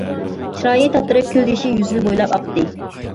چىرايى تاتىرىپ، كۆز يېشى يۈزىنى بويلاپ ئاقتى.